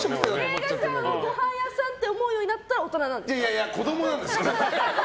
映画館はごはん屋さんって思うようになったらいやいや、子供なんだよ。